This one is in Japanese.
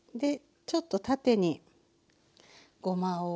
ちょっと縦にごまを。